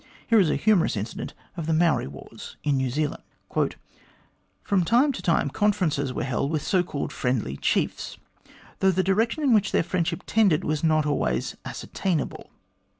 Here is a humorous incident of the Maori wars in New Zealand : "From time to time conferences were held with so called friendly chiefs, though the direction in which their friendship tended was not always ascertainable.